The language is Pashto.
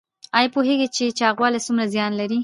ایا پوهیږئ چې چاغوالی څومره زیان لري؟